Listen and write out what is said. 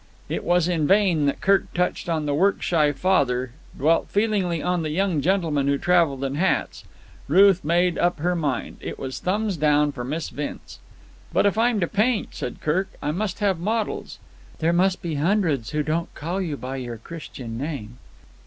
It was in vain that Kirk touched on the work shy father, dwelt feelingly on the young gentleman who travelled in hats. Ruth had made up her mind. It was thumbs down for Miss Vince. "But if I'm to paint," said Kirk, "I must have models." "There must be hundreds who don't call you by your Christian name."